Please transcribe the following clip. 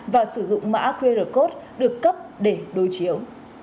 và sử dụng mã qr code được cấp để đối chiếu